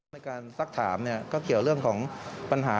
ในการสักถามก็เกี่ยวเรื่องของปัญหา